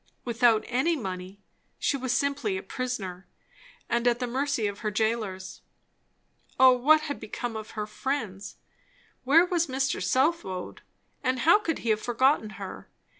Without any money, she was simply a prisoner, and at the mercy of her jailers. O what had become of her friends! Where was Mr. Southwode, and how could he have forgotten her?